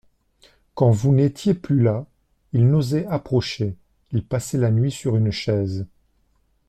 Quand vous n'étiez plus là, il n'osait approcher, il passait la nuit sur une chaise.